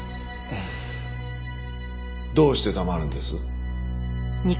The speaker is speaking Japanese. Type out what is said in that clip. どうして黙るんです？